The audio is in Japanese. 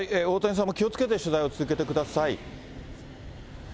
大谷さんも気をつけて取材を続けてください。